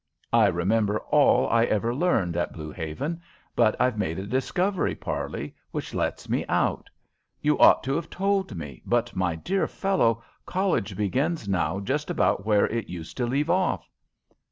I remember all I ever learned at Blue Haven, but I've made a discovery, Parley, which lets me out. You ought to have told me, but, my dear fellow, college begins now just about where it used to leave off."